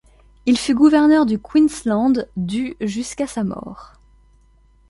Il fut gouverneur du Queensland du jusqu'à sa mort.